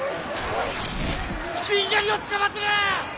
しんがりをつかまつる！